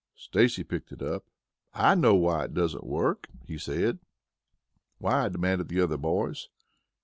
Stacy picked it up. "I know why it doesn't work," he said. "Why?" demanded the other boys.